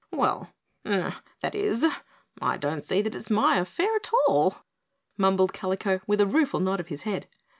"Well er that is er I don't see that it is MY affair at all!" mumbled Kalico with a rueful nod of his head.